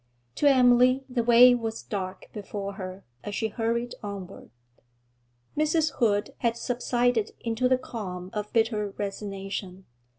To Emily the way was dark before her as she hurried onward.... Mrs. Hood had subsided into the calm of hitter resignation.